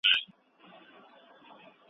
په وطن جنګ دی لالی نه منع کوومه